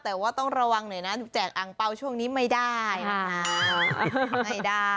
แต่ว่าต้องระวังหน่อยนะถูกแจกอังเปล่าช่วงนี้ไม่ได้นะคะไม่ได้